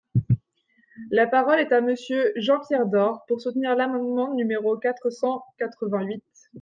La parole est à Monsieur Jean-Pierre Door, pour soutenir l’amendement numéro quatre cent quatre-vingt-huit.